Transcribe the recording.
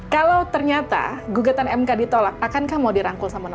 kalau ternyata gugatan mk ditolak akankah mau dirangkul sama nor